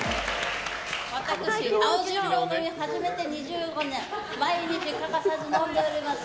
私、青汁を飲んで初めて２５年毎日欠かさず飲んでおります。